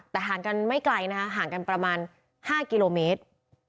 แต่ห่างกันไม่ไกลห่างกันประมาณ๕โกรเมตร